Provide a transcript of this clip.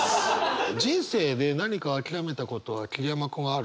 人生で何か諦めたことは桐山君はある？